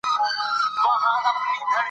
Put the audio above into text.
تاریخ د افغان ځوانانو د هیلو استازیتوب کوي.